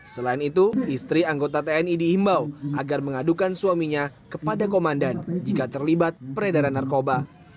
selain itu istri anggota tni dihimbau agar mengadukan suaminya kepada komandan jika terlibat peredaran narkoba